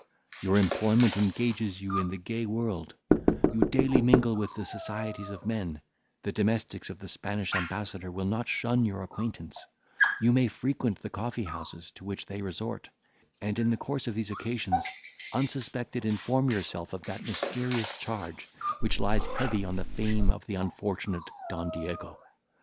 Your employment engages you in the gay world; you daily mingle with the societies of men; the domestics of the Spanish ambassador will not shun your acquaintance; you may frequent the coffee houses to which they resort; and, in the course of these occasions, unsuspected inform yourself of that mysterious charge which lies heavy on the fame of the unfortunate Don Diego.